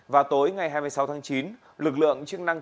vào tối ngày hai mươi sáu tháng chín lực lượng chức năng